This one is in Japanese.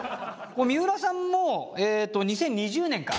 三浦さんも２０２０年か。